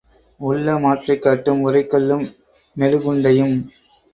உள்ள மாற்றைக் காட்டும், உரை கல்லும் மெழுகுண்டையும்.